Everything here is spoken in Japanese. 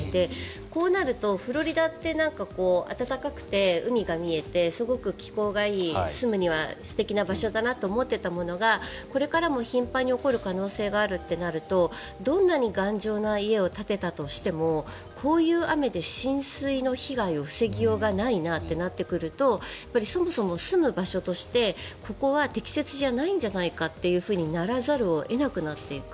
こうなるとフロリダって暖かくて海が見えて、すごく気候がいい住むには素敵な場所だと思ってたものがこれからも頻繁に起こる可能性があるとなるとどんなに頑丈な家を建てたとしてもこういう雨で浸水の被害を防ぎようがないなとなってくるとそもそも住む場所としてここは適切じゃないんじゃないかとならざるを得なくなっていく。